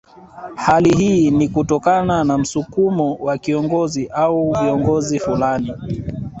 Hali hii ni kutokana na msukumo wa kiongozi au viongozi fulani